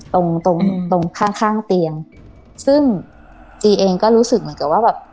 ตรงตรงตรงข้างข้างเตียงซึ่งจีเองก็รู้สึกเหมือนกับว่าแบบ